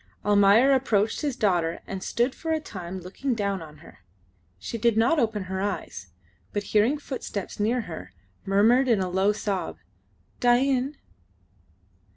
Almayer approached his daughter and stood for a time looking down on her. She did not open her eyes, but hearing footsteps near her, murmured in a low sob, "Dain."